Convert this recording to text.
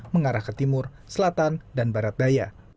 mengarah ke timur selatan dan barat daya